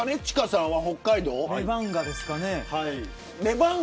レバンガですかね。